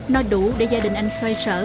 nó đủ để gia đình anh xoay sở